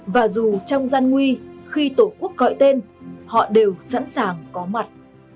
và dù trong gian nguy khi tổ quốc gọi tên họ đều sẵn sàng có mặt